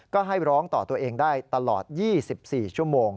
ก็ให้ร้องต่อตัวเองได้ตลอด๒๔ชั่วโมง